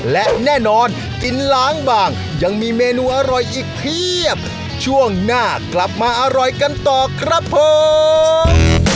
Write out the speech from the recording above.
และแน่นอนกินล้างบางยังมีเมนูอร่อยอีกเพียบช่วงหน้ากลับมาอร่อยกันต่อครับผม